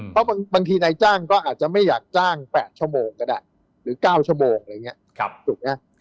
เพราะบางทีนายจ้างก็อาจจะไม่อยากจ้าง๘ชั่วโมงก็ได้หรือ๙ชั่วโมงอะไรอย่างนี้ถูกไหม